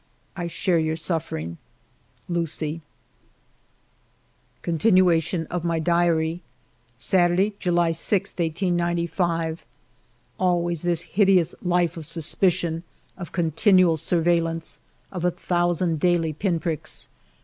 I share your suffering. ... Lucie." Continuation of my Diary Saturday J July 6, 1895. Always this hideous life of suspicion, of continual surveillance, of a thousand daily pin pricks.